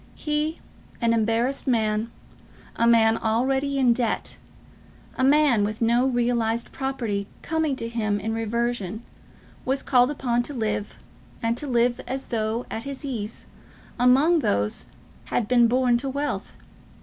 He, an embarrassed man, a man already in debt, a man with no realised property coming to him in reversion, was called upon to live, and to live as though at his ease, among those who had been born to wealth.